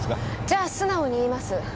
じゃあ素直に言います。